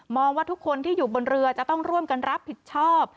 ว่าทุกคนที่อยู่บนเรือจะต้องร่วมกันรับผิดชอบ